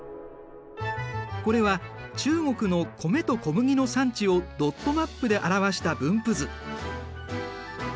これは中国の米と小麦の産地をドットマップで表した分布図。